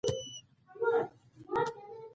د اسلامي هجري تاریخ د جوړیدو واقعه.